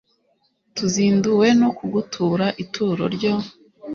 tuzinduwe no kugutura ituro ryo